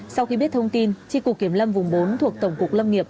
sau khi biết thông tin tri cục kiểm lâm vùng bốn thuộc tổng cục lâm nghiệp